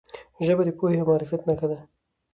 ژبه د پوهې او معرفت نښه ده.